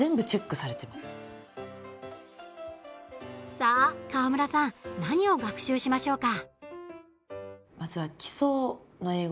さあ、川村さん何を学習しましょうか。